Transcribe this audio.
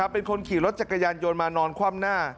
เป็นคนขี่รถจักรยานยนต์มานอนคว่ำหน้า